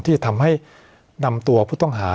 ที่ทำให้นำตัวผู้ต้องหา